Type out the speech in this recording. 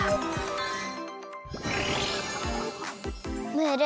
ムール